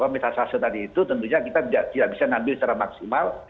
metasase tadi itu tentunya kita tidak bisa ngambil secara maksimal